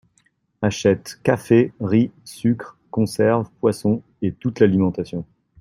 Achète café, riz, sucres, conserves, poissons, et toute l'alimentation.